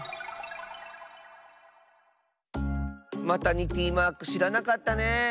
マタニティマークしらなかったね。